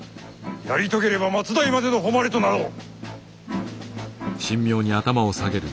やり遂げれば末代までの誉れとなろう。